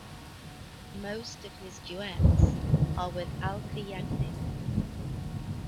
Most of his duets are with Alka Yagnik.